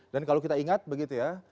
dan kalau kita ingat begitu ya